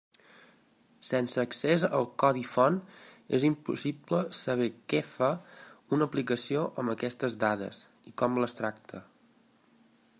Sense accés al codi font és impossible saber què fa una aplicació amb aquestes dades, i com les tracta.